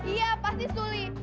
iya pasti suli